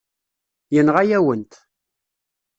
Yenɣa-yawen-t.